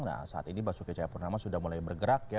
nah saat ini pak sukyacaya purnama sudah mulai bergerak ya